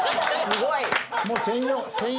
すごい。